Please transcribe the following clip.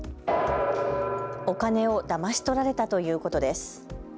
お金をだまし取られたということです。